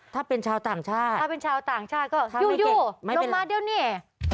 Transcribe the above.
ถ้าเป็นชาวต่างชาติถ้าเป็นชาวต่างชาติก็อยู่ลงมาเดี๋ยวนี่